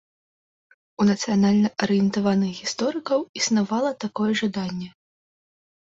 У нацыянальна-арыентаваных гісторыкаў існавала такое жаданне.